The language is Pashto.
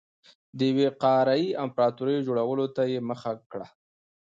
د یوې قاره يي امپراتورۍ جوړولو ته یې مخه کړه.